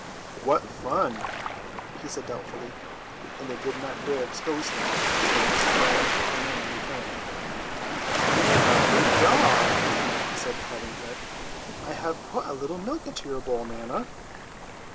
"What fun!" he said doubtfully, and they did not dare expose him when Mrs. Darling and Nana returned. "Nana, good dog," he said, patting her, "I have put a little milk into your bowl, Nana."